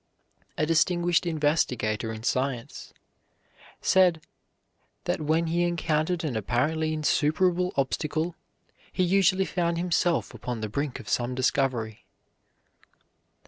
A distinguished investigator in science said that when he encountered an apparently insuperable obstacle, he usually found himself upon the brink of some discovery.